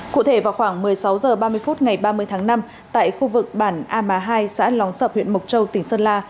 cụ thể vào khoảng một mươi sáu h ba mươi phút ngày ba mươi tháng năm tại khu vực bản a má hai xã lóng sập huyện mộc châu tỉnh sơn la